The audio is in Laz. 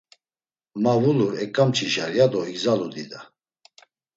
Ma vulur eǩamç̌işar, ya do igzalu dida.